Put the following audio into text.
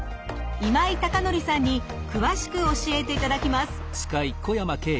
今井孝成さんに詳しく教えていただきます。